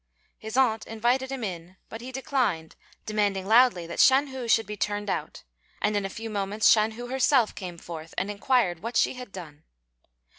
His aunt invited him in, but he declined, demanding loudly that Shan hu should be turned out; and in a few moments Shan hu herself came forth, and inquired what she had done.